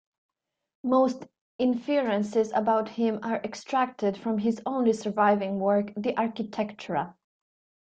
Most inferences about him are extracted from his only surviving work "De Architectura".